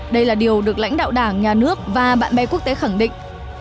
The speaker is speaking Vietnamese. đây là điều được lãnh đạo đảng nhà nước và bạn bè quốc tế khẳng định